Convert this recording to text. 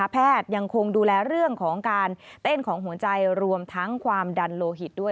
ยังคงดูแลเรื่องของการเต้นของหัวใจรวมทั้งความดันโลหิตด้วย